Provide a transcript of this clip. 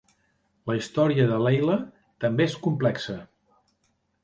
La història de Leila també és complexa.